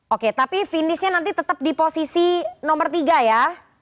oke tapi finishnya nanti tetap di posisi nomor tiga ya